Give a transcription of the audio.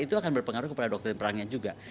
itu akan berpengaruh kepada doktrin perangnya juga